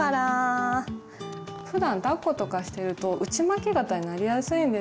ふだんだっことかしてると内巻き肩になりやすいんですね。